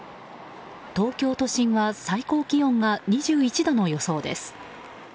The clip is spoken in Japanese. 東京都心は最高気温が２１度の予想です。